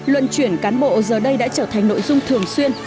luận chuyển cán bộ giờ đây đã trở thành nội dung thường xuyên